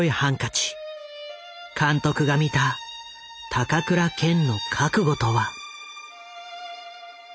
監督が見た高倉健の覚悟とは。